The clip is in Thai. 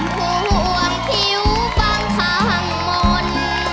ขุมห่วงที่อยู่บ้างข้างมน